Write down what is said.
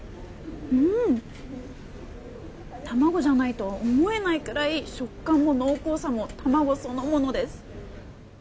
卵じゃないとは思えないくらい食感も濃厚さも卵そのものです。